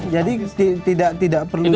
jadi tidak perlu di